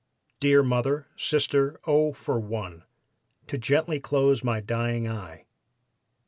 Dear mother, sister, oh, for one To gently close my dying eye."